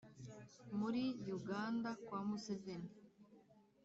muri yuganda kwa museveni